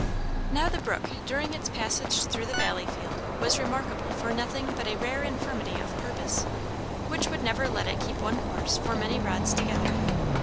Now the brook, during its passage through the valley field, was remarkable for nothing but a rare infirmity of purpose, which would never let it keep one course for many rods together.